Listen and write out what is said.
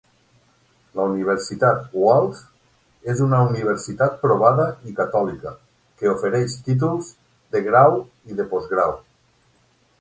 La Universitat Walsh és una universitat provada i catòlica que ofereix títols de grau i de postgrau.